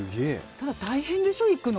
ただ、大変でしょう、行くの。